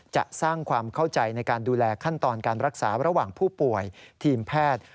จะสร้างความเข้าใจในการดูแลขั้นตอนการรักษาระหว่างผู้ป่วยทีมแพทย์